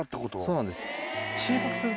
そうなんです。